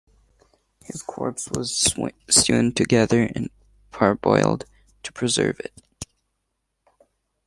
His corpse was sewn together and parboiled, to preserve it.